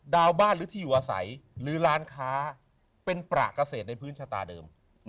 บ้านหรือที่อยู่อาศัยหรือร้านค้าเป็นประเกษตรในพื้นชะตาเดิม